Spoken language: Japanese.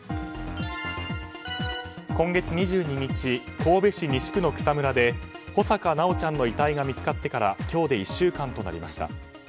今月２２日神戸市西区の草むらで穂坂修ちゃんの遺体が見つかってから今日で１週間となりました。